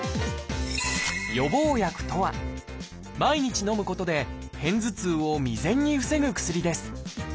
「予防薬」とは毎日のむことで片頭痛を未然に防ぐ薬です。